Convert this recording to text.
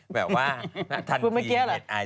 แบบว่านักทันฟรีเหมือนไอดล์